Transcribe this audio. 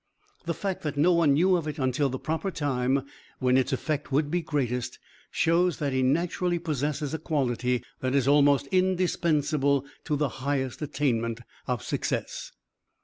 The fact that no one knew of it until the proper time, when its effect would be greatest, shows that he naturally possesses a quality that is almost indispensable to the highest attainment of success.